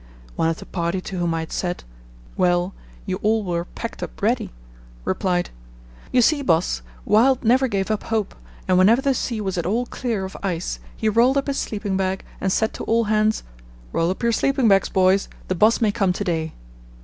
One of the party to whom I had said "Well, you all were packed up ready," replied, "You see, boss, Wild never gave up hope, and whenever the sea was at all clear of ice he rolled up his sleeping bag and said to all hands, 'Roll up your sleeping bags, boys; the boss may come to day.